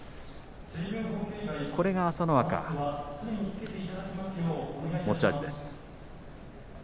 これが朝乃若、持ち味です。